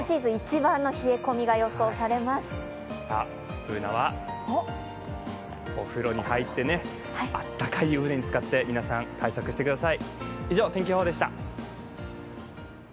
Ｂｏｏｎａはお風呂に入ってあったかい湯船につかって皆さん、対策してください。